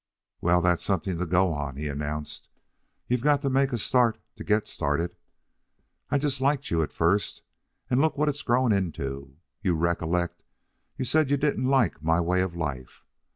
"Well, that's something to go on," he announced. "You've got to make a start to get started. I just liked you at first, and look what it's grown into. You recollect, you said you didn't like my way of life.